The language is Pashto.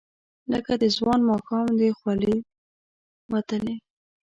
لکه د ځوان ماښام، د خولې وتلې،